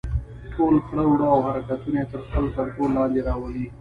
ټول کړه وړه او حرکتونه يې تر خپل کنټرول لاندې راولي.